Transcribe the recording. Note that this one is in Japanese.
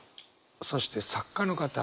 そして作家の方